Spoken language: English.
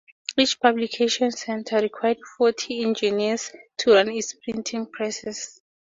Each publication centre required forty engineers to run its printing presses.